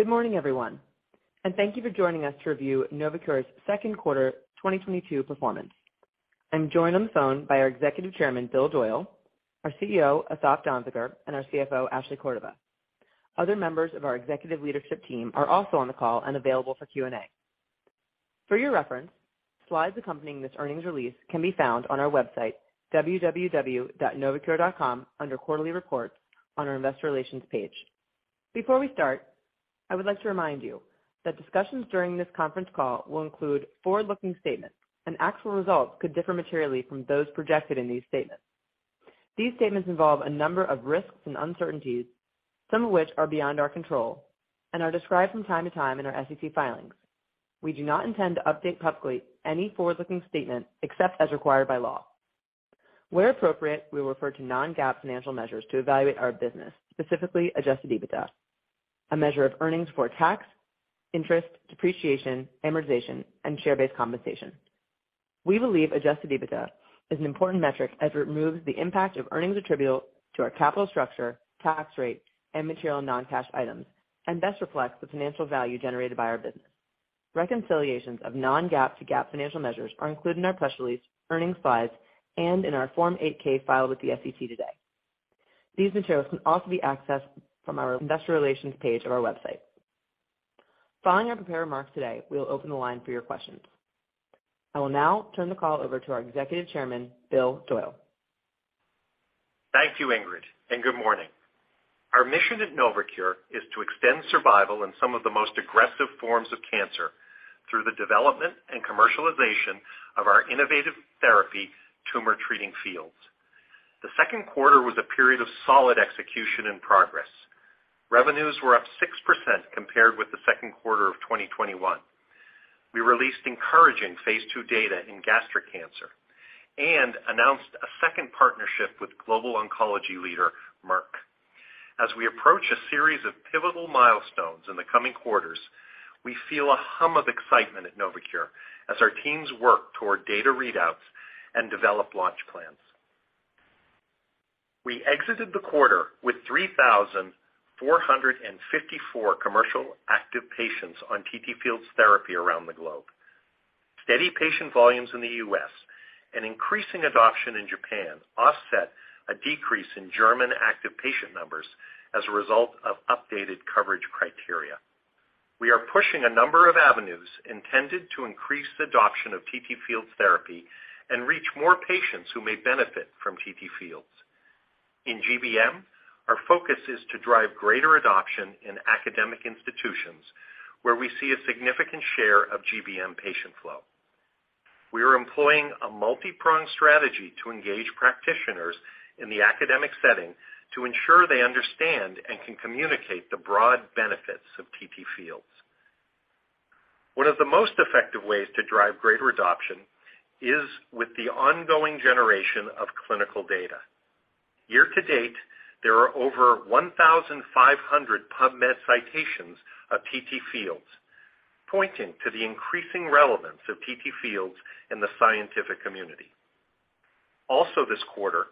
Good morning, everyone, and thank you for joining us to review NovoCure's second quarter 2022 performance. I'm joined on the phone by our Executive Chairman, Bill Doyle, our CEO, Asaf Danziger, and our CFO, Ashley Cordova. Other members of our executive leadership team are also on the call and available for Q&A. For your reference, slides accompanying this earnings release can be found on our website www.novocure.com under Quarterly Reports on our Investor Relations page. Before we start, I would like to remind you that discussions during this conference call will include forward-looking statements, and actual results could differ materially from those projected in these statements. These statements involve a number of risks and uncertainties, some of which are beyond our control and are described from time to time in our SEC filings. We do not intend to update publicly any forward-looking statement except as required by law. Where appropriate, we refer to non-GAAP financial measures to evaluate our business, specifically adjusted EBITDA, a measure of earnings before tax, interest, depreciation, amortization, and share-based compensation. We believe adjusted EBITDA is an important metric as it removes the impact of earnings attributable to our capital structure, tax rate, and material non-cash items and best reflects the financial value generated by our business. Reconciliations of non-GAAP to GAAP financial measures are included in our press release, earnings slides, and in our Form 8-K filed with the SEC today. These materials can also be accessed from our Investor Relations page of our website. Following our prepared remarks today, we will open the line for your questions. I will now turn the call over to our Executive Chairman, Bill Doyle. Thank you, Ingrid, and good morning. Our mission at NovoCure is to extend survival in some of the most aggressive forms of cancer through the development and commercialization of our innovative therapy, Tumor Treating Fields. The second quarter was a period of solid execution and progress. Revenues were up 6% compared with the second quarter of 2021. We released encouraging phase 2 data in gastric cancer and announced a second partnership with global oncology leader Merck. As we approach a series of pivotal milestones in the coming quarters, we feel a hum of excitement at NovoCure as our teams work toward data readouts and develop launch plans. We exited the quarter with 3,454 commercial active patients on TTFields therapy around the globe. Steady patient volumes in the U.S. and increasing adoption in Japan offset a decrease in German active patient numbers as a result of updated coverage criteria. We are pushing a number of avenues intended to increase the adoption of TTFields therapy and reach more patients who may benefit from TTFields. In GBM, our focus is to drive greater adoption in academic institutions where we see a significant share of GBM patient flow. We are employing a multi-pronged strategy to engage practitioners in the academic setting to ensure they understand and can communicate the broad benefits of TTFields. One of the most effective ways to drive greater adoption is with the ongoing generation of clinical data. Year to date, there are over 1,500 PubMed citations of TTFields, pointing to the increasing relevance of TTFields in the scientific community. Also this quarter,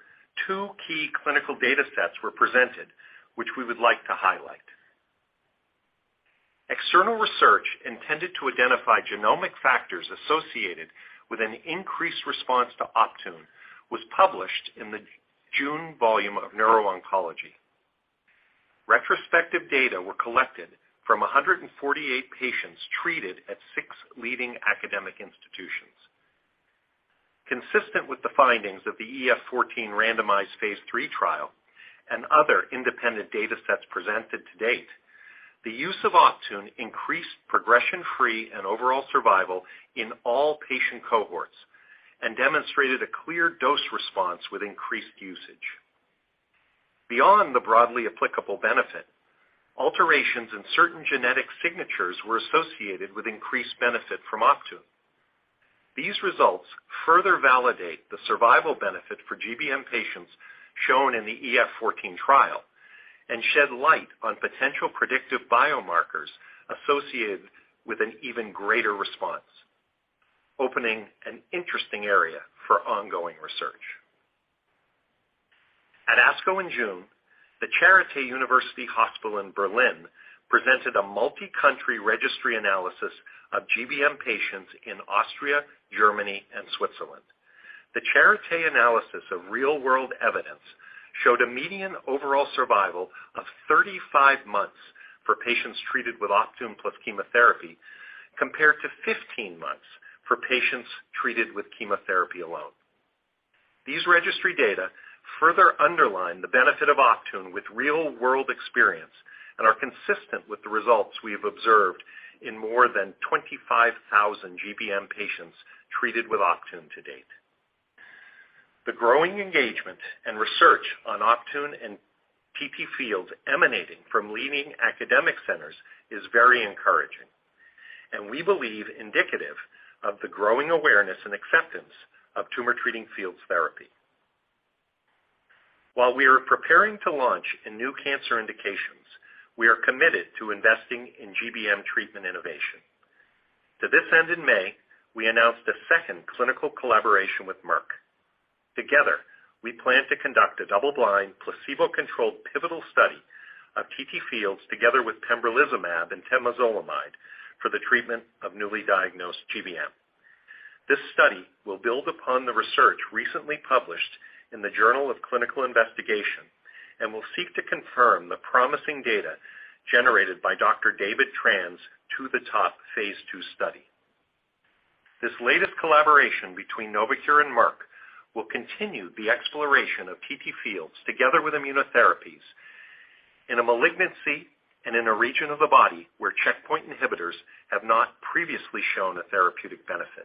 two key clinical data sets were presented, which we would like to highlight. External research intended to identify genomic factors associated with an increased response to Optune was published in the June volume of Neuro-Oncology. Retrospective data were collected from 148 patients treated at six leading academic institutions. Consistent with the findings of the EF14 randomized phase 3 trial and other independent data sets presented to date, the use of Optune increased progression-free and overall survival in all patient cohorts and demonstrated a clear dose response with increased usage. Beyond the broadly applicable benefit, alterations in certain genetic signatures were associated with increased benefit from Optune. These results further validate the survival benefit for GBM patients shown in the EF14 trial and shed light on potential predictive biomarkers associated with an even greater response, opening an interesting area for ongoing research. At ASCO in June, Charité – Universitätsmedizin Berlin presented a multi-country registry analysis of GBM patients in Austria, Germany, and Switzerland. The Charité – Universitätsmedizin Berlin analysis of real-world evidence showed a median overall survival of 35 months for patients treated with Optune plus chemotherapy, compared to 15 months for patients treated with chemotherapy alone. These registry data further underline the benefit of Optune with real-world experience and are consistent with the results we have observed in more than 25,000 GBM patients treated with Optune to date. The growing engagement and research on Optune and TTFields emanating from leading academic centers is very encouraging, and we believe indicative of the growing awareness and acceptance of Tumor Treating Fields therapy. While we are preparing to launch in new cancer indications, we are committed to investing in GBM treatment innovation. To this end in May, we announced a second clinical collaboration with Merck. Together, we plan to conduct a double-blind, placebo-controlled pivotal study of TTFields together with pembrolizumab and temozolomide for the treatment of newly diagnosed GBM. This study will build upon the research recently published in the Journal of Clinical Investigation and will seek to confirm the promising data generated by Dr. David Tran in the 2-THE-TOP Phase 2 study. This latest collaboration between Novocure and Merck will continue the exploration of TTFields together with immunotherapies in a malignancy and in a region of the body where checkpoint inhibitors have not previously shown a therapeutic benefit.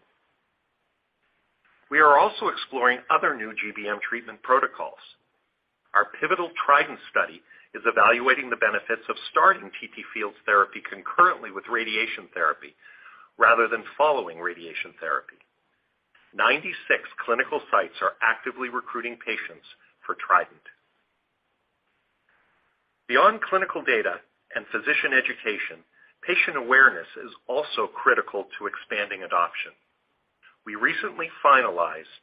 We are also exploring other new GBM treatment protocols. Our pivotal TRIDENT study is evaluating the benefits of starting TTFields therapy concurrently with radiation therapy rather than following radiation therapy. 96 clinical sites are actively recruiting patients for TRIDENT. Beyond clinical data and physician education, patient awareness is also critical to expanding adoption. We recently finalized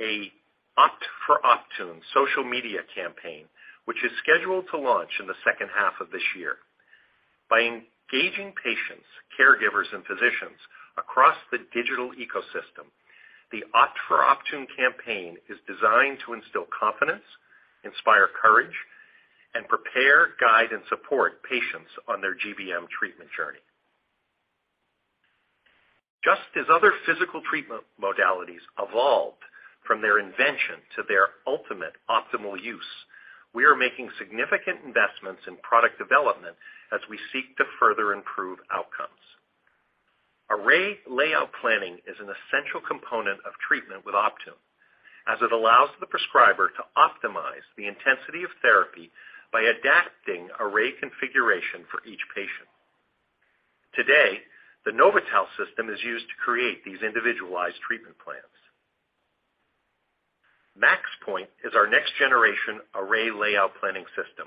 an Opt for Optune social media campaign, which is scheduled to launch in the second half of this year. By engaging patients, caregivers, and physicians across the digital ecosystem, the Opt for Optune campaign is designed to instill confidence, inspire courage, and prepare, guide, and support patients on their GBM treatment journey. Just as other physical treatment modalities evolved from their invention to their ultimate optimal use, we are making significant investments in product development as we seek to further improve outcomes. Array layout planning is an essential component of treatment with Optune as it allows the prescriber to optimize the intensity of therapy by adapting array configuration for each patient. Today, the NovoTAL system is used to create these individualized treatment plans. MaxPoint is our next-generation array layout planning system.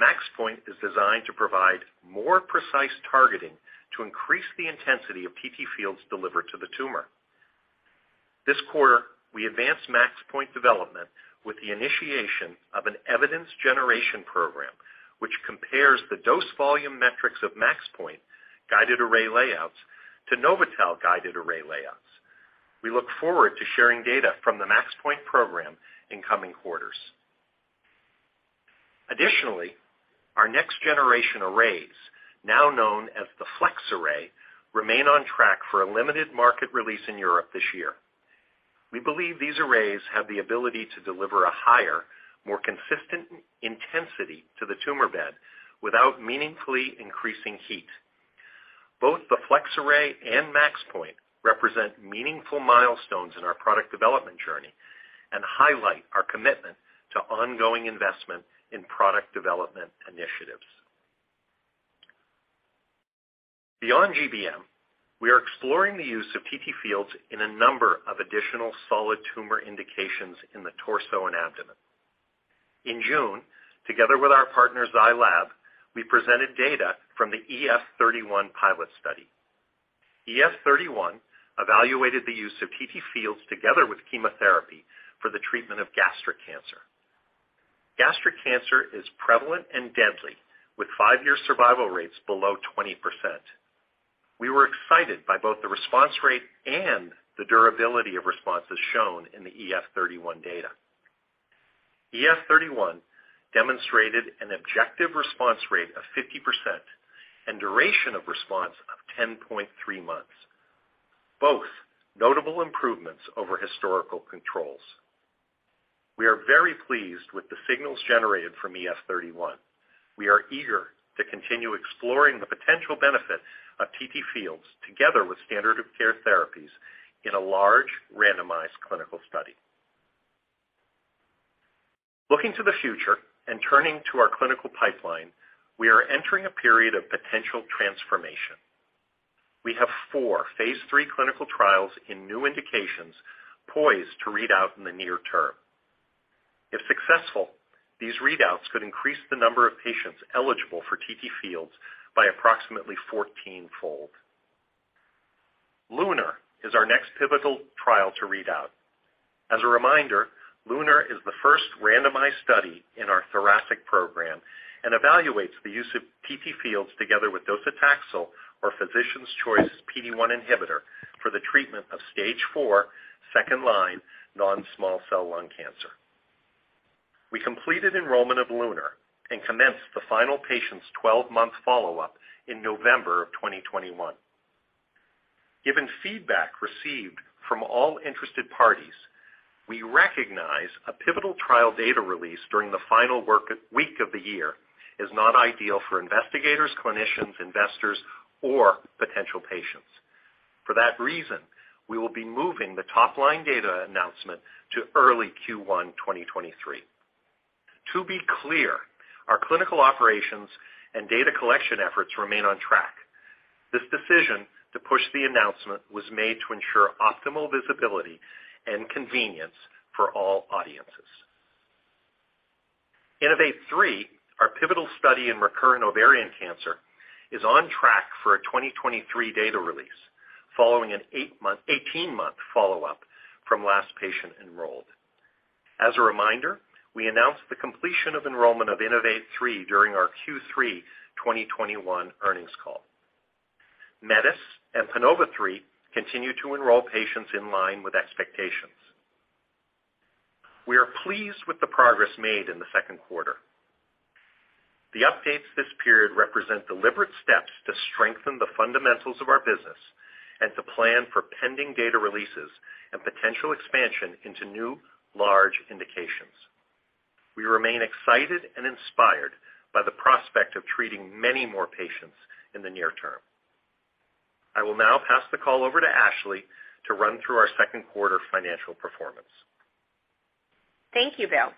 MaxPoint is designed to provide more precise targeting to increase the intensity of TTFields delivered to the tumor. This quarter, we advanced MaxPoint development with the initiation of an evidence generation program, which compares the dose volume metrics of MaxPoint-guided array layouts to NovoTAL-guided array layouts. We look forward to sharing data from the MaxPoint program in coming quarters. Additionally, our next-generation arrays, now known as the flex array, remain on track for a limited market release in Europe this year. We believe these arrays have the ability to deliver a higher, more consistent intensity to the tumor bed without meaningfully increasing heat. Both the flex array and MaxPoint represent meaningful milestones in our product development journey and highlight our commitment to ongoing investment in product development initiatives. Beyond GBM, we are exploring the use of TTFields in a number of additional solid tumor indications in the torso and abdomen. In June, together with our partner Zai Lab, we presented data from the EF-31 pilot study. EF-31 evaluated the use of TTFields together with chemotherapy for the treatment of gastric cancer. Gastric cancer is prevalent and deadly, with five-year survival rates below 20%. We were excited by both the response rate and the durability of responses shown in the EF-31 data. EF-31 demonstrated an objective response rate of 50% and duration of response of 10.3 months, both notable improvements over historical controls. We are very pleased with the signals generated from EF-31. We are eager to continue exploring the potential benefit of TTFields together with standard of care therapies in a large randomized clinical study. Looking to the future and turning to our clinical pipeline, we are entering a period of potential transformation. We have 4 phase 3 clinical trials in new indications poised to read out in the near term. If successful, these readouts could increase the number of patients eligible for TTFields by approximately 14-fold. LUNAR is our next pivotal trial to read out. As a reminder, LUNAR is the first randomized study in our thoracic program and evaluates the use of TTFields together with docetaxel or physician's choice PD-1 inhibitor for the treatment of stage 4 second-line non-small cell lung cancer. We completed enrollment of LUNAR and commenced the final patient's 12-month follow-up in November of 2021. Given feedback received from all interested parties, we recognize a pivotal trial data release during the final work week of the year is not ideal for investigators, clinicians, investors, or potential patients. For that reason, we will be moving the top-line data announcement to early Q1 2023. To be clear, our clinical operations and data collection efforts remain on track. This decision to push the announcement was made to ensure optimal visibility and convenience for all audiences. INNOVATE-3, our pivotal study in recurrent ovarian cancer, is on track for a 2023 data release following an 18-month follow-up from last patient enrolled. As a reminder, we announced the completion of enrollment of INNOVATE-3 during our Q3 2021 earnings call. METIS and PANOVA-3 continue to enroll patients in line with expectations. We are pleased with the progress made in the second quarter. The updates this period represent deliberate steps to strengthen the fundamentals of our business and to plan for pending data releases and potential expansion into new, large indications. We remain excited and inspired by the prospect of treating many more patients in the near term. I will now pass the call over to Ashley to run through our second quarter financial performance. Thank you, Bill.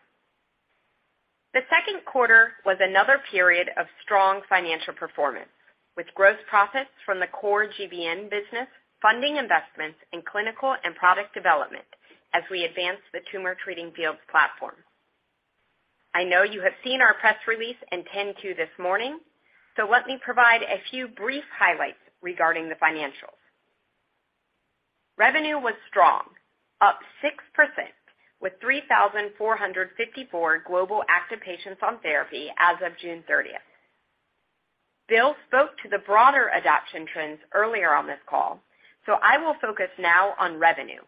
The second quarter was another period of strong financial performance, with gross profits from the core GBM business funding investments in clinical and product development as we advance the Tumor Treating Fields platform. I know you have seen our press release in 10-Q this morning, so let me provide a few brief highlights regarding the financials. Revenue was strong, up 6% with 3,454 global active patients on therapy as of June 30. Bill spoke to the broader adoption trends earlier on this call, so I will focus now on revenue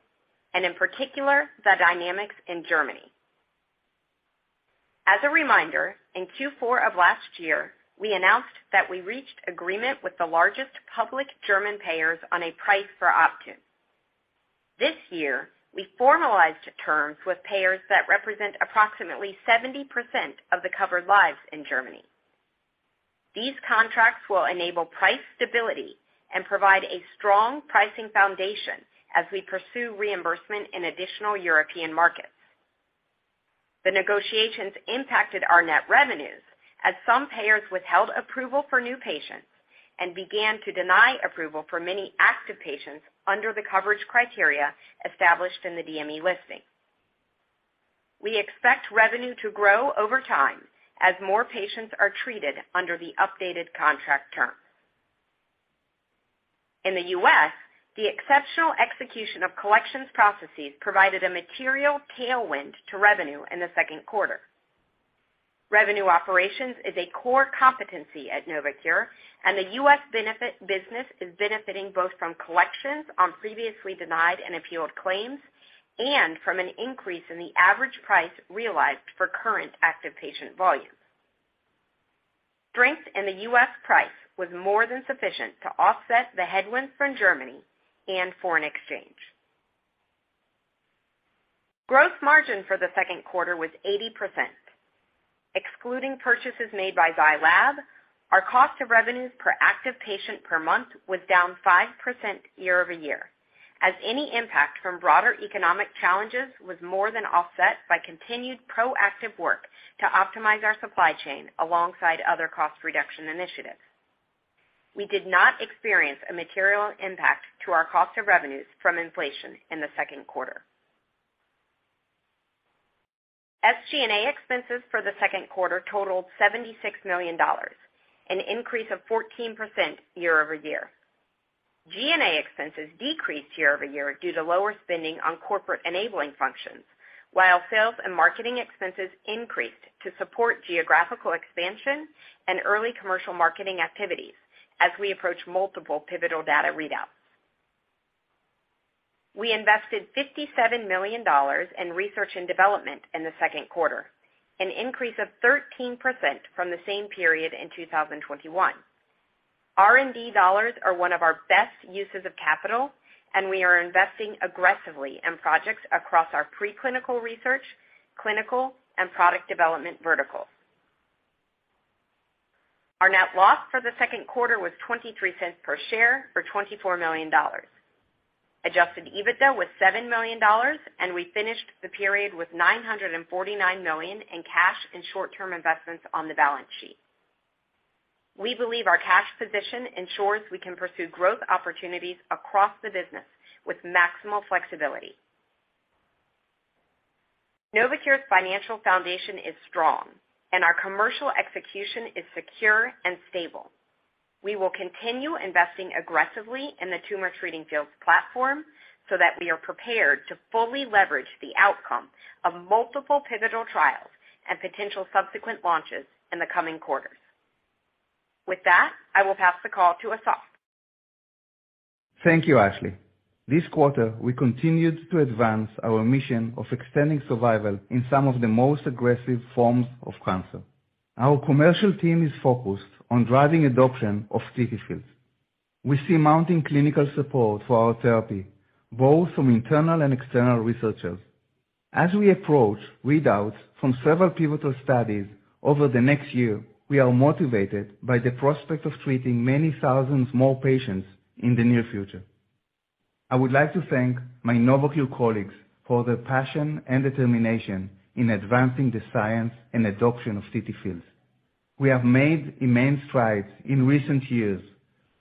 and in particular, the dynamics in Germany. As a reminder, in Q4 of last year, we announced that we reached agreement with the largest public German payers on a price for Optune. This year, we formalized terms with payers that represent approximately 70% of the covered lives in Germany. These contracts will enable price stability and provide a strong pricing foundation as we pursue reimbursement in additional European markets. The negotiations impacted our net revenues as some payers withheld approval for new patients and began to deny approval for many active patients under the coverage criteria established in the DME listing. We expect revenue to grow over time as more patients are treated under the updated contract terms. In the U.S., the exceptional execution of collections processes provided a material tailwind to revenue in the second quarter. Revenue operations is a core competency at NovoCure, and the U.S. benefits business is benefiting both from collections on previously denied and appealed claims and from an increase in the average price realized for current active patient volumes. Strength in the U.S. price was more than sufficient to offset the headwinds from Germany and foreign exchange. Gross margin for the second quarter was 80%. Excluding purchases made by Zai Lab, our cost of revenues per active patient per month was down 5% year-over-year, as any impact from broader economic challenges was more than offset by continued proactive work to optimize our supply chain alongside other cost reduction initiatives. We did not experience a material impact to our cost of revenues from inflation in the second quarter. SG&A expenses for the second quarter totaled $76 million, an increase of 14% year-over-year. G&A expenses decreased year-over-year due to lower spending on corporate enabling functions, while sales and marketing expenses increased to support geographical expansion and early commercial marketing activities as we approach multiple pivotal data readouts. We invested $57 million in research and development in the second quarter, an increase of 13% from the same period in 2021. R&D dollars are one of our best uses of capital, and we are investing aggressively in projects across our preclinical research, clinical, and product development verticals. Our net loss for the second quarter was $0.23 per share for $24 million. Adjusted EBITDA was $7 million, and we finished the period with $949 million in cash and short-term investments on the balance sheet. We believe our cash position ensures we can pursue growth opportunities across the business with maximal flexibility. NovoCure's financial foundation is strong and our commercial execution is secure and stable. We will continue investing aggressively in the Tumor Treating Fields platform so that we are prepared to fully leverage the outcome of multiple pivotal trials and potential subsequent launches in the coming quarters. With that, I will pass the call to Asaf. Thank you, Ashley. This quarter, we continued to advance our mission of extending survival in some of the most aggressive forms of cancer. Our commercial team is focused on driving adoption of TTFields. We see mounting clinical support for our therapy, both from internal and external researchers. As we approach readouts from several pivotal studies over the next year, we are motivated by the prospect of treating many thousands more patients in the near future. I would like to thank my NovoCure colleagues for their passion and determination in advancing the science and adoption of TTFields. We have made immense strides in recent years,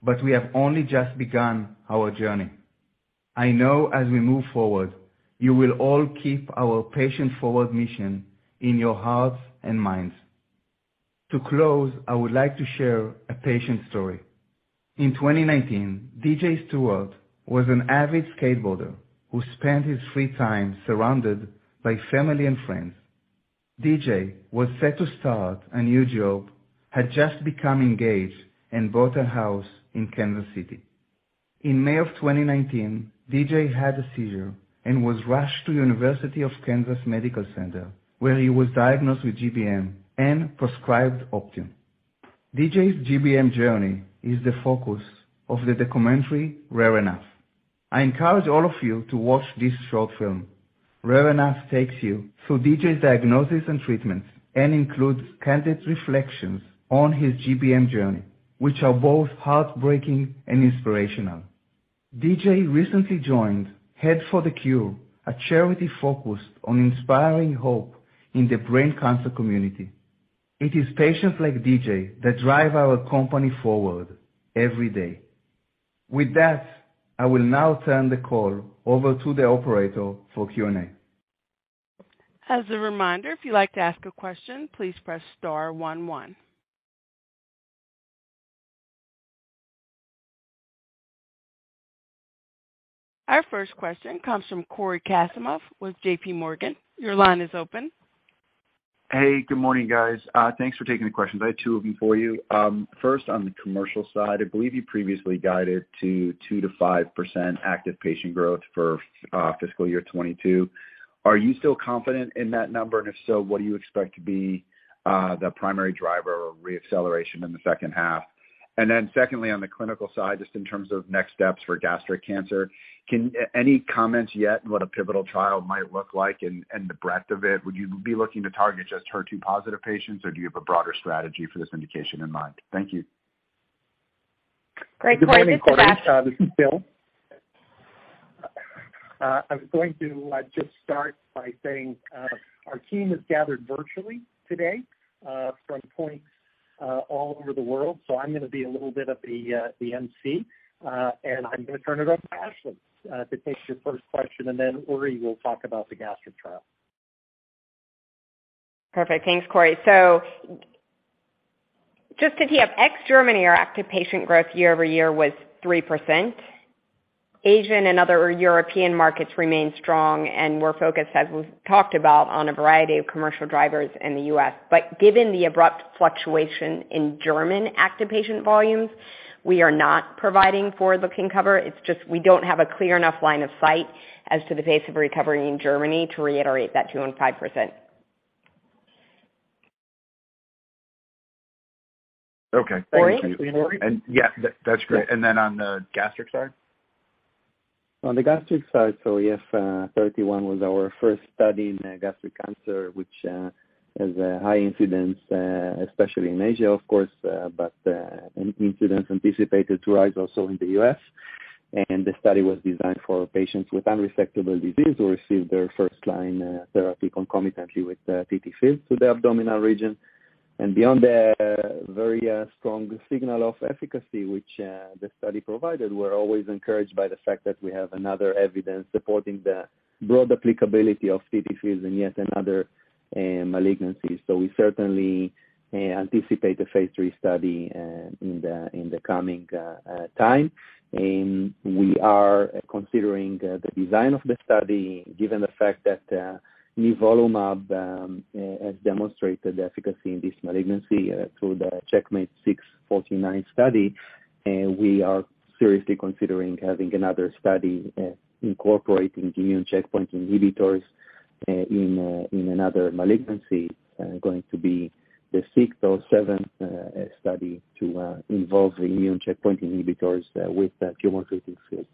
but we have only just begun our journey. I know as we move forward, you will all keep our patient-forward mission in your hearts and minds. To close, I would like to share a patient story. In 2019, DJ Stewart was an avid skateboarder who spent his free time surrounded by family and friends. DJ was set to start a new job, had just become engaged and bought a house in Kansas City. In May of 2019, DJ had a seizure and was rushed to University of Kansas Medical Center, where he was diagnosed with GBM and prescribed Optune. DJ's GBM journey is the focus of the documentary Rare Enough. I encourage all of you to watch this short film. Rare Enough takes you through DJ's diagnosis and treatment and includes candid reflections on his GBM journey, which are both heartbreaking and inspirational. DJ recently joined Head for the Cure, a charity focused on inspiring hope in the brain cancer community. It is patients like DJ that drive our company forward every day. With that, I will now turn the call over to the operator for Q&A. As a reminder, if you'd like to ask a question, please press star one one. Our first question comes from Cory Kasimov with JPMorgan. Your line is open. Hey, good morning, guys. Thanks for taking the questions. I have two of them for you. First, on the commercial side, I believe you previously guided to 2%-5% active patient growth for fiscal year 2022. Are you still confident in that number? And if so, what do you expect to be the primary driver or re-acceleration in the second half? And then secondly, on the clinical side, just in terms of next steps for gastric cancer, any comments yet what a pivotal trial might look like and the breadth of it? Would you be looking to target just HER2 positive patients, or do you have a broader strategy for this indication in mind? Thank you. Great. Corey, this is Asaf. This is Bill. I was going to just start by saying our team is gathered virtually today from points all over the world, so I'm gonna be a little bit of the emcee, and I'm gonna turn it over to Ashley to take your first question, and then Uri will talk about the gastric trial. Perfect. Thanks, Corey. Just to tee up, ex Germany, our active patient growth year-over-year was 3%. Asian and other European markets remain strong, and we're focused, as we've talked about, on a variety of commercial drivers in the U.S. Given the abrupt fluctuation in German active patient volumes, we are not providing forward-looking cover. It's just we don't have a clear enough line of sight as to the pace of recovery in Germany to reiterate that 2%-5%. Okay. Thank you. Uri? Uri? Yeah, that's great. Then on the gastric side? On the gastric side, yes, 31 was our first study in gastric cancer, which has a high incidence especially in Asia, of course, but incidence anticipated to rise also in the US. The study was designed for patients with unresectable disease who received their first-line therapy concomitantly with TTFields to the abdominal region. Beyond the very strong signal of efficacy which the study provided, we're always encouraged by the fact that we have another evidence supporting the broad applicability of TTFields and yet another malignancy. We certainly anticipate a phase three study in the coming time. We are considering the design of the study given the fact that nivolumab has demonstrated efficacy in this malignancy through the CheckMate 649 study. We are seriously considering having another study incorporating immune checkpoint inhibitors in another malignancy, going to be the sixth or seventh study to involve the immune checkpoint inhibitors with the Tumor Treating Fields.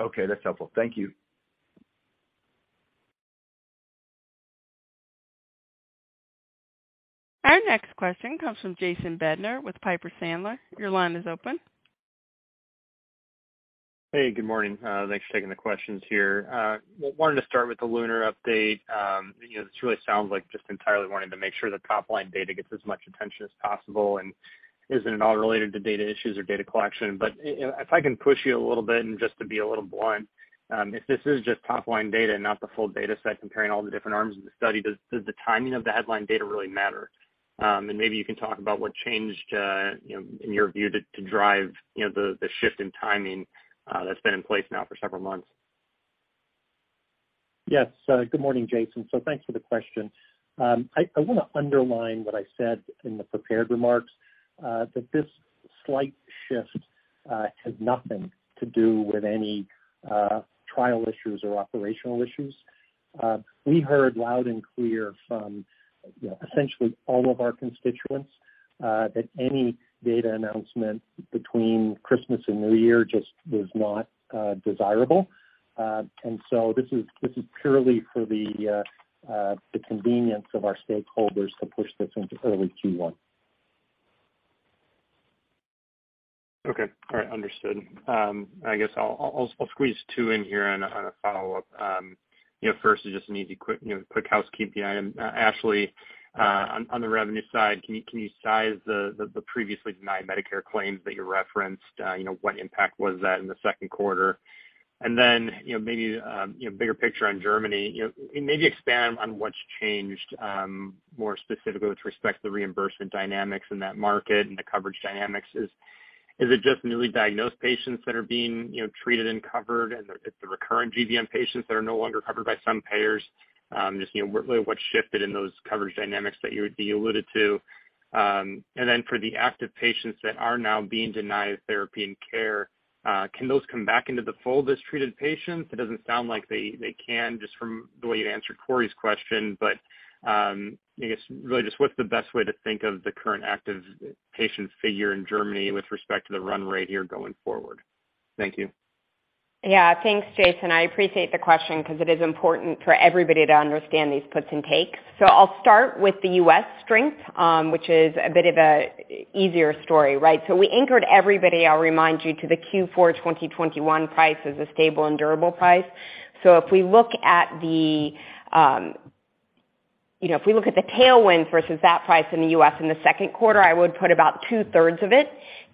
Okay, that's helpful. Thank you. Our next question comes from Jason Bednar with Piper Sandler. Your line is open. Hey, good morning. Thanks for taking the questions here. Wanted to start with the LUNAR update. You know, this really sounds like just entirely wanting to make sure the top-line data gets as much attention as possible and isn't at all related to data issues or data collection. If I can push you a little bit and just to be a little blunt, if this is just top-line data and not the full data set comparing all the different arms of the study, does the timing of the headline data really matter? And maybe you can talk about what changed, you know, in your view to drive the shift in timing that's been in place now for several months. Yes. Good morning, Jason. Thanks for the question. I wanna underline what I said in the prepared remarks that this slight shift has nothing to do with any trial issues or operational issues. We heard loud and clear from, you know, essentially all of our constituents that any data announcement between Christmas and New Year just was not desirable. This is purely for the convenience of our stakeholders to push this into early Q1. I guess I'll squeeze two in here on a follow-up. You know, first is just an easy, quick housekeeping item. Ashley, on the revenue side, can you size the previously denied Medicare claims that you referenced? You know, what impact was that in the second quarter? Then, you know, maybe bigger picture on Germany. You know, maybe expand on what's changed, more specifically with respect to the reimbursement dynamics in that market and the coverage dynamics. Is it just newly diagnosed patients that are being treated and covered, and it's the recurrent GBM patients that are no longer covered by some payers? Just, you know, what shifted in those coverage dynamics that you alluded to? For the active patients that are now being denied therapy and care, can those come back into the fold as treated patients? It doesn't sound like they can, just from the way you answered Corey's question. I guess really just what's the best way to think of the current active patients figure in Germany with respect to the run rate here going forward? Thank you. Yeah. Thanks, Jason. I appreciate the question 'cause it is important for everybody to understand these puts and takes. I'll start with the U.S. strength, which is a bit easier story, right? We anchored everybody, I'll remind you, to the Q4 2021 price as a stable and durable price. If we look at the tailwind versus that price in the U.S. in the second quarter, I would put about two-thirds of it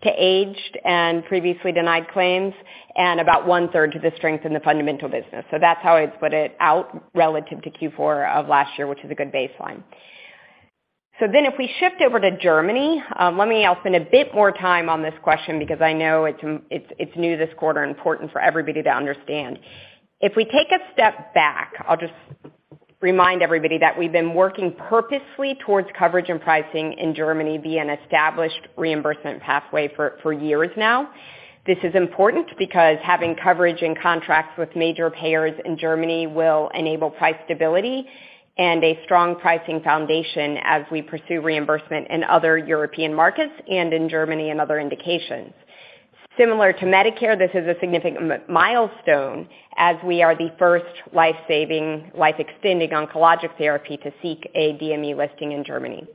to aged and previously denied claims and about one-third to the strength in the fundamental business. That's how I'd put it out relative to Q4 of last year, which is a good baseline. If we shift over to Germany, I'll spend a bit more time on this question because I know it's new this quarter, important for everybody to understand. If we take a step back, I'll just remind everybody that we've been working purposely towards coverage and pricing in Germany via an established reimbursement pathway for years now. This is important because having coverage and contracts with major payers in Germany will enable price stability and a strong pricing foundation as we pursue reimbursement in other European markets and in Germany and other indications. Similar to Medicare, this is a significant milestone as we are the first life-saving, life-extending oncologic therapy to seek a DME listing in Germany.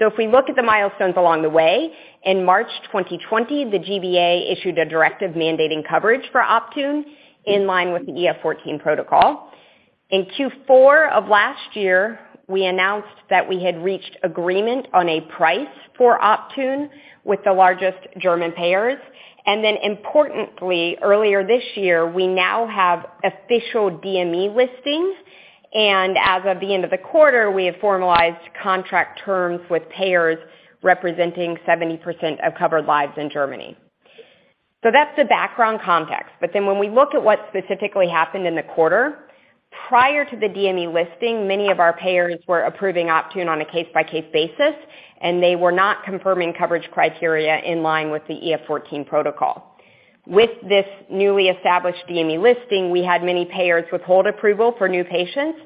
If we look at the milestones along the way, in March 2020, the G-BA issued a directive mandating coverage for Optune in line with the EF14 protocol. In Q4 of last year, we announced that we had reached agreement on a price for Optune with the largest German payers. Importantly, earlier this year, we now have official DME listings, and as of the end of the quarter, we have formalized contract terms with payers representing 70% of covered lives in Germany. That's the background context. When we look at what specifically happened in the quarter, prior to the DME listing, many of our payers were approving Optune on a case-by-case basis, and they were not confirming coverage criteria in line with the EF14 protocol. With this newly established DME listing, we had many payers withhold approval for new patients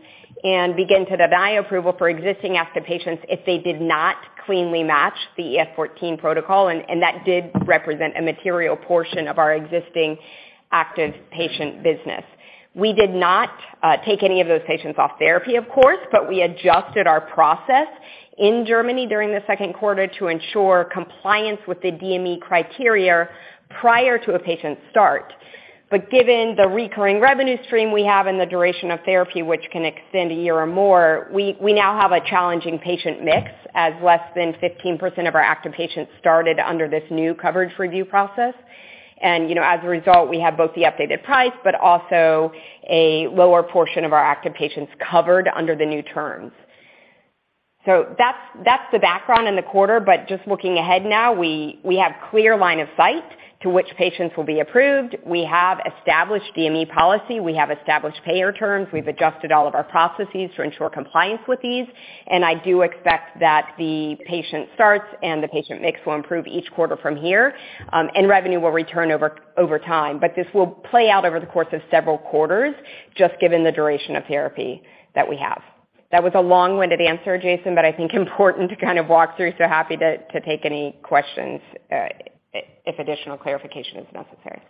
and begin to deny approval for existing active patients if they did not cleanly match the EF14 protocol, and that did represent a material portion of our existing active patient business. We did not take any of those patients off therapy, of course, but we adjusted our process in Germany during the second quarter to ensure compliance with the DME criteria prior to a patient start. Given the recurring revenue stream we have and the duration of therapy, which can extend a year or more, we now have a challenging patient mix, as less than 15% of our active patients started under this new coverage review process. You know, as a result, we have both the updated price but also a lower portion of our active patients covered under the new terms. That's the background in the quarter. Just looking ahead now, we have clear line of sight to which patients will be approved. We have established DME policy. We have established payer terms. We've adjusted all of our processes to ensure compliance with these. I do expect that the patient starts and the patient mix will improve each quarter from here, and revenue will return over time. This will play out over the course of several quarters, just given the duration of therapy that we have. That was a long-winded answer, Jason, but I think important to kind of walk through, so happy to take any questions, if additional clarification is necessary.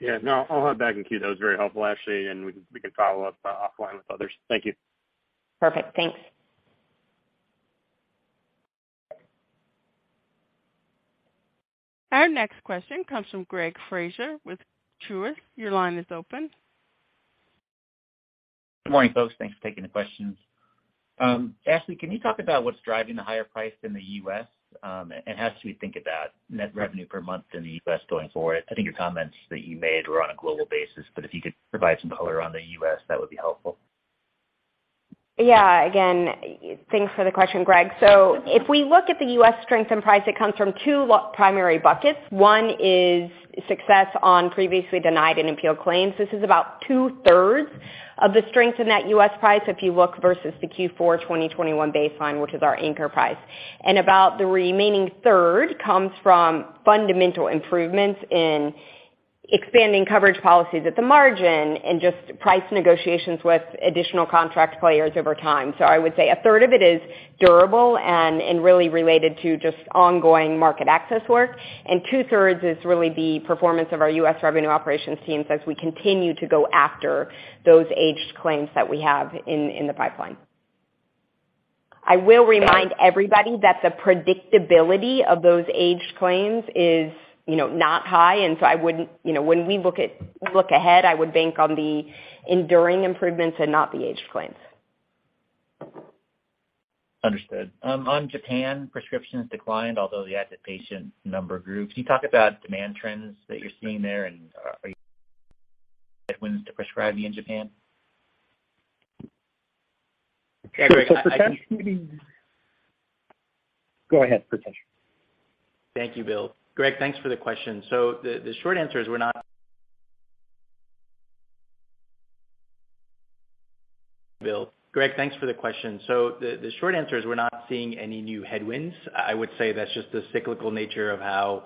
Yeah, no, I'll hop back in queue. That was very helpful, Ashley, and we can follow up offline with others. Thank you. Perfect. Thanks. Our next question comes from Greg Fraser with Truist. Your line is open. Good morning, folks. Thanks for taking the questions. Ashley, can you talk about what's driving the higher price in the US? How should we think about net revenue per month in the US going forward? I think your comments that you made were on a global basis, but if you could provide some color on the US, that would be helpful. Yeah. Again, thanks for the question, Greg. If we look at the U.S. strength in price, it comes from two primary buckets. One is success on previously denied and appealed claims. This is about two-thirds of the strength in that U.S. price if you look versus the Q4 2021 baseline, which is our anchor price. About the remaining third comes from fundamental improvements in expanding coverage policies at the margin and just price negotiations with additional contract players over time. I would say a third of it is durable and really related to just ongoing market access work, and two-thirds is really the performance of our U.S. revenue operations teams as we continue to go after those aged claims that we have in the pipeline. I will remind everybody that the predictability of those aged claims is, you know, not high. I wouldn't, you know, when we look ahead, I would bank on the enduring improvements and not the aged claims. Understood. On Japan, prescriptions declined, although the active patient number grew. Can you talk about demand trends that you're seeing there and any headwinds to prescribing in Japan? Go ahead, Pritesh. Thank you, Bill. Greg, thanks for the question. The short answer is we're not seeing any new headwinds. I would say that's just the cyclical nature of how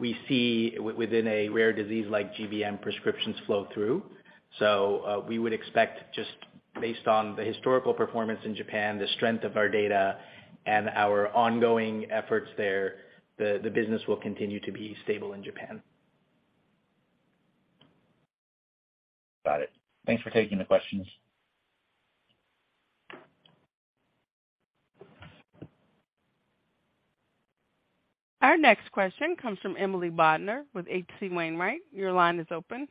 we see within a rare disease like GBM prescriptions flow through. We would expect, just based on the historical performance in Japan, the strength of our data and our ongoing efforts there, the business will continue to be stable in Japan. Got it. Thanks for taking the questions. Our next question comes from Emily Bodnar with H.C. Wainwright. Your line is open.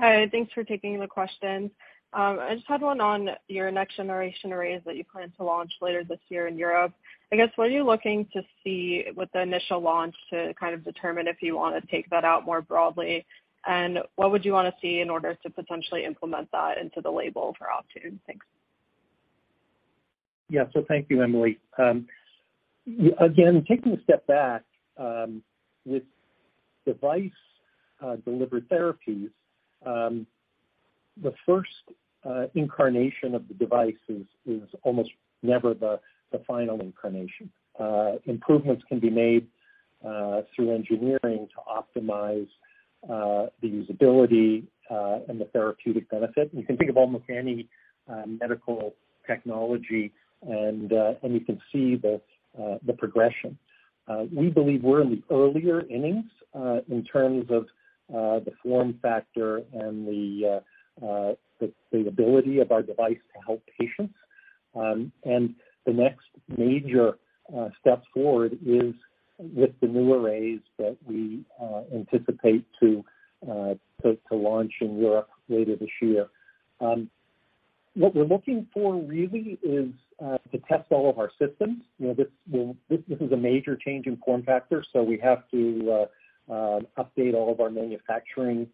Hi. Thanks for taking the questions. I just had one on your next generation arrays that you plan to launch later this year in Europe. I guess, what are you looking to see with the initial launch to kind of determine if you wanna take that out more broadly? What would you wanna see in order to potentially implement that into the label for Optune? Thanks. Yeah. Thank you, Emily. Again, taking a step back, with device delivered therapies, the first incarnation of the device is almost never the final incarnation. Improvements can be made through engineering to optimize the usability and the therapeutic benefit. You can think of almost any medical technology and you can see the progression. We believe we're in the earlier innings in terms of the form factor and the stability of our device to help patients. The next major step forward is with the new arrays that we anticipate to launch in Europe later this year. What we're looking for really is to test all of our systems. You know, this is a major change in form factor, so we have to update all of our manufacturing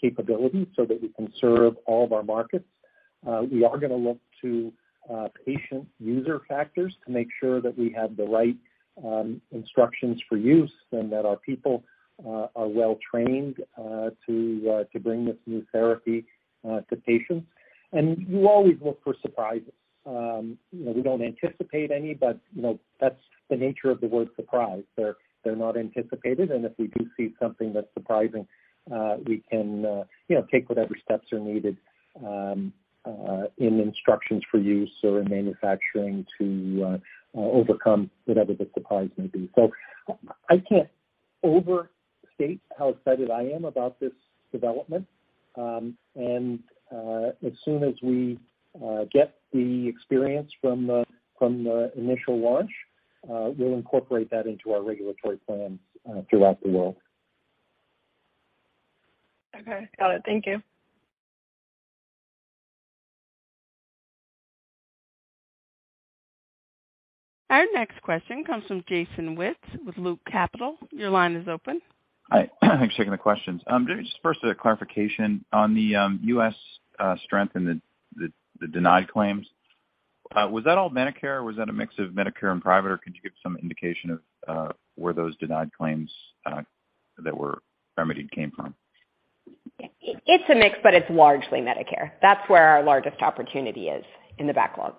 capabilities so that we can serve all of our markets. We are gonna look to patient user factors to make sure that we have the right instructions for use and that our people are well trained to bring this new therapy to patients. You always look for surprises. You know, we don't anticipate any, but you know, that's the nature of the word surprise. They're not anticipated. If we do see something that's surprising, we can, you know, take whatever steps are needed in instructions for use or in manufacturing to overcome whatever the surprise may be. I can't overstate how excited I am about this development. As soon as we get the experience from the initial launch, we'll incorporate that into our regulatory plans throughout the world. Okay. Got it. Thank you. Our next question comes from Jason Wittes with Loop Capital. Your line is open. Hi. Thanks for taking the questions. Maybe just first a clarification on the U.S. strength and the denied claims. Was that all Medicare, or was that a mix of Medicare and private? Could you give some indication of where those denied claims that were remedied came from? It's a mix, but it's largely Medicare. That's where our largest opportunity is in the backlog.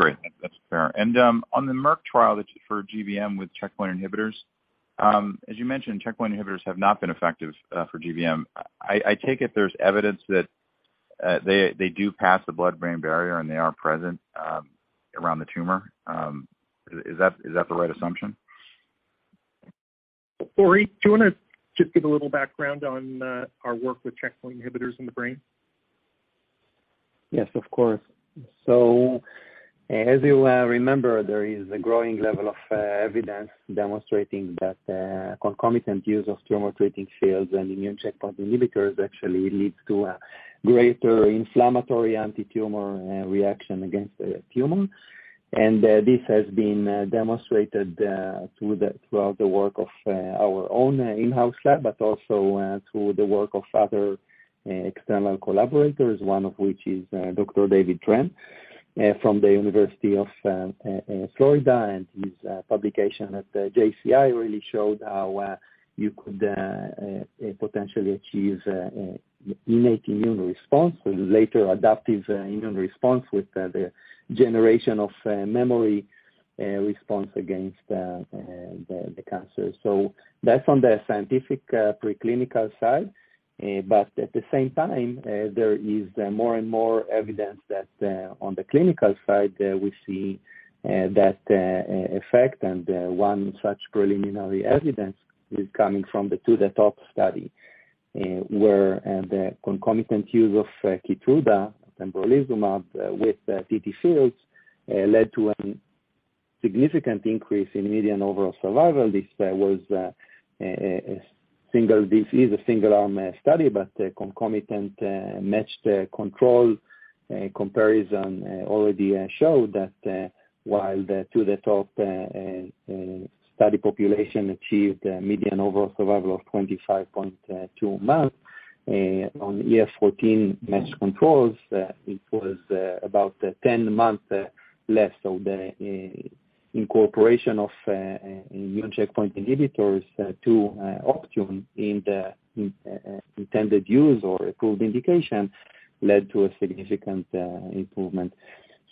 Great. That's fair. On the Merck trial that's for GBM with checkpoint inhibitors, as you mentioned, checkpoint inhibitors have not been effective for GBM. I take it there's evidence that they do pass the blood-brain barrier and they are present around the tumor. Is that the right assumption? Uri, do you wanna just give a little background on, our work with checkpoint inhibitors in the brain? Yes, of course. As you remember, there is a growing level of evidence demonstrating that concomitant use of Tumor Treating Fields and immune checkpoint inhibitors actually leads to a greater inflammatory antitumor reaction against the tumor. This has been demonstrated throughout the work of our own in-house lab, but also through the work of other external collaborators, one of which is Dr. David Tran from the University of Florida. His publication at the JCI really showed how you could potentially achieve innate immune response with later adaptive immune response with the generation of memory response against the cancer. That's on the scientific preclinical side. at the same time, there is more and more evidence that, on the clinical side, we see that effect. One such preliminary evidence is coming from the 2-THE-TOP study, where the concomitant use of Keytruda and(pembrolizumab) with TTFields led to a significant increase in median overall survival. This was a single-arm study, but concomitant matched control comparison already showed that, while the 2-THE-TOP study population achieved a median overall survival of 25.2 months, on EF14 matched controls, it was about 10 months less. The incorporation of immune checkpoint inhibitors to Optune in the intended use or approved indication led to a significant improvement.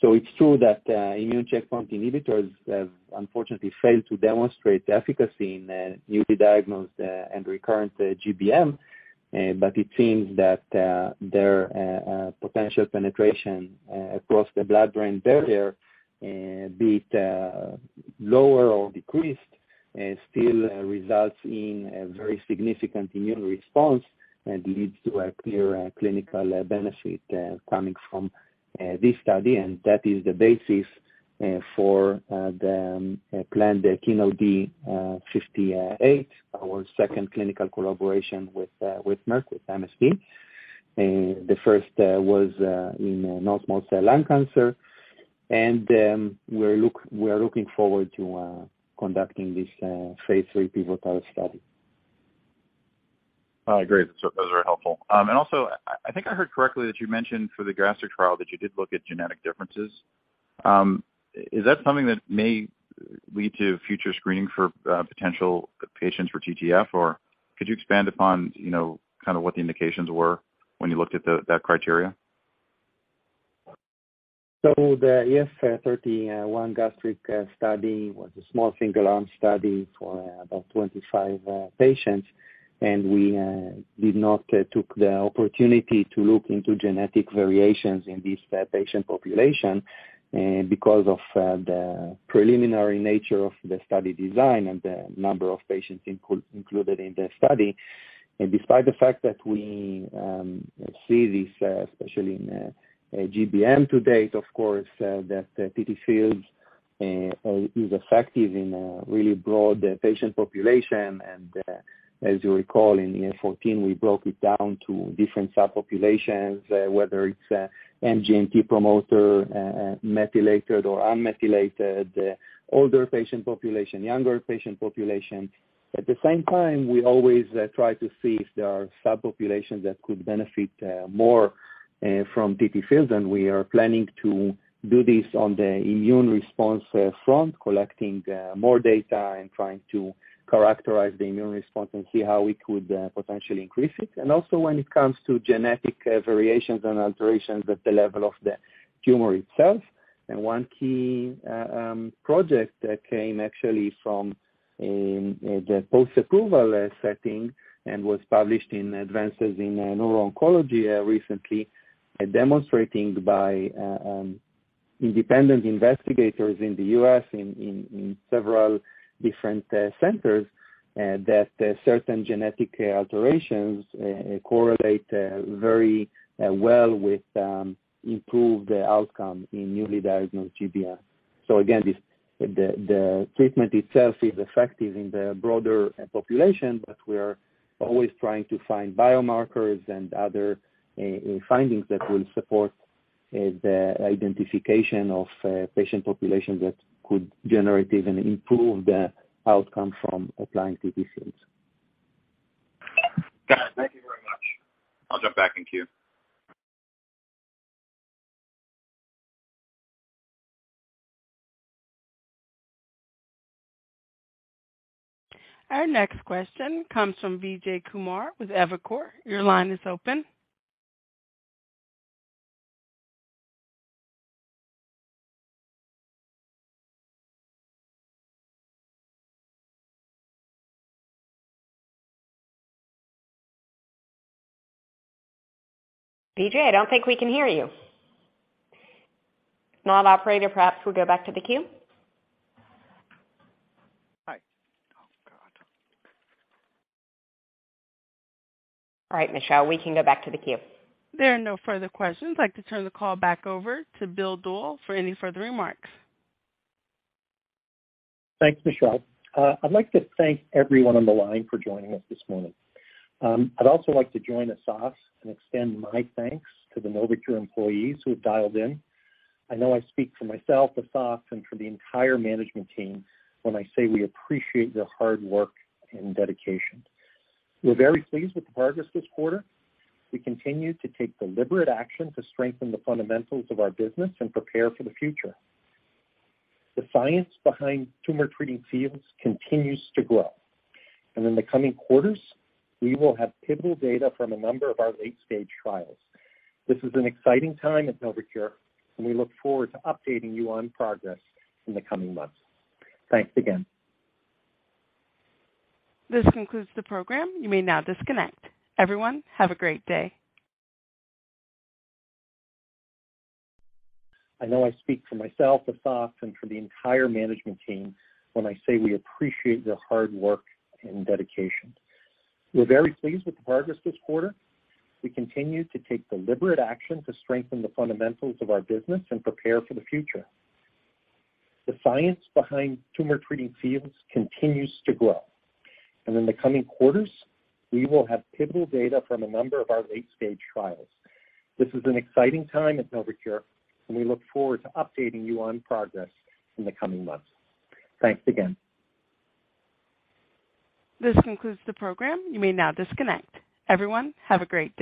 It's true that immune checkpoint inhibitors have unfortunately failed to demonstrate efficacy in newly diagnosed and recurrent GBM, but it seems that their potential penetration across the blood-brain barrier, be it lower or decreased, still results in a very significant immune response and leads to a clear clinical benefit coming from this study. That is the basis for the planned KEYNOTE-D58, our second clinical collaboration with Merck, with MSD. The first was in non-small cell lung cancer. We are looking forward to conducting this phase three pivotal study. Great. Those are helpful. Also I think I heard correctly that you mentioned for the gastric trial that you did look at genetic differences. Is that something that may lead to future screening for potential patients for TTF or could you expand upon, you know, kind of what the indications were when you looked at that criteria? The EF-31 gastric study was a small single arm study for about 25 patients, and we did not take the opportunity to look into genetic variations in this patient population because of the preliminary nature of the study design and the number of patients included in the study. Despite the fact that we see this especially in GBM to date, of course, that TTFields is effective in a really broad patient population. As you recall, in EF14, we broke it down to different subpopulations whether it's MGMT promoter methylated or unmethylated, older patient population, younger patient population. At the same time, we always try to see if there are subpopulations that could benefit more from TTFields. We are planning to do this on the immune response front, collecting more data and trying to characterize the immune response and see how we could potentially increase it. Also when it comes to genetic variations and alterations at the level of the tumor itself. One key project that came actually from the post-approval setting and was published in Neuro-Oncology Advances recently, demonstrating by independent investigators in the U.S. in several different centers that certain genetic alterations correlate very well with improved outcome in newly diagnosed GBM. Again, the treatment itself is effective in the broader population, but we are always trying to find biomarkers and other findings that will support the identification of patient populations that could generate even improve the outcome from applying TTFields. Got it. Thank you very much. I'll jump back in queue. Our next question comes from Vijay Kumar with Evercore. Your line is open. Vijay, I don't think we can hear you. If not, operator, perhaps we'll go back to the queue. All right. Oh, God. All right, Michelle, we can go back to the queue. There are no further questions. I'd like to turn the call back over to Bill Doyle for any further remarks. Thanks, Michelle. I'd like to thank everyone on the line for joining us this morning. I'd also like to join Asaf and extend my thanks to the NovoCure employees who have dialed in. I know I speak for myself, Asaf, and for the entire management team when I say we appreciate your hard work and dedication. We're very pleased with the progress this quarter. We continue to take deliberate action to strengthen the fundamentals of our business and prepare for the future. The science behind tumor-treating fields continues to grow. In the coming quarters, we will have pivotal data from a number of our late-stage trials. This is an exciting time at NovoCure, and we look forward to updating you on progress in the coming months. Thanks again. This concludes the program. You may now disconnect. Everyone, have a great day. I know I speak for myself, Asaf, and for the entire management team when I say we appreciate your hard work and dedication. We're very pleased with the progress this quarter. We continue to take deliberate action to strengthen the fundamentals of our business and prepare for the future. The science behind Tumor-Treating Fields continues to grow. In the coming quarters, we will have pivotal data from a number of our late-stage trials. This is an exciting time at NovoCure, and we look forward to updating you on progress in the coming months. Thanks again. This concludes the program. You may now disconnect. Everyone, have a great day.